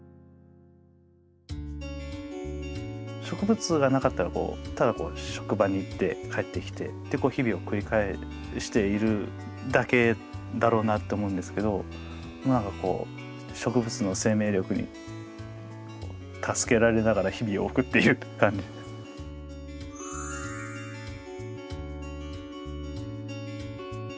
植物がなかったらただこう職場に行って帰ってきてってこう日々を繰り返しているだけだろうなって思うんですけど何かこう植物の生命力に助けられながら日々を送っているって感じです。